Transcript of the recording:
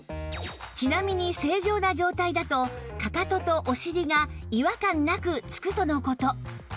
ちなみに正常な状態だとかかととお尻が違和感なくつくとの事